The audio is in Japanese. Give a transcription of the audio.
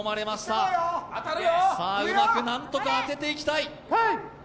うまく何とか当てていきたい。